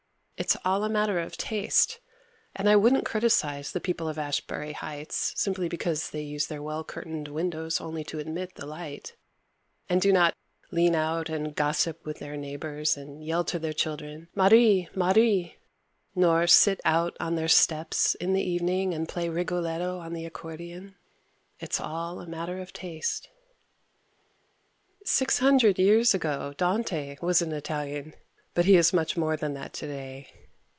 It's all a matter of taste, and I wouldn't criticize the people of Ashbury Heights simply because they use their well curtained windows only to admit the light, and do not lean out and gossip with their neighbors and yell to their children, "Mahree, Mahree," nor sit out on their steps in the evening and play Rigoletto on the accordion. It's all a matter of taste. Six hundred years ago Dante was an Italian, but he is much more than that today.